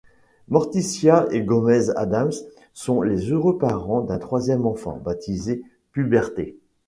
Morticia et Gomez Addams sont les heureux parents d'un troisième enfant, baptisé Puberté.